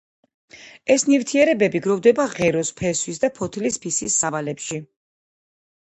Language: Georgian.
ეს ნივთიერებები გროვდება ღეროს, ფესვისა და ფოთლის ფისის სავალებში.